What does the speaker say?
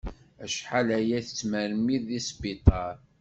Acḥal aya i yettmermid di sbiṭar.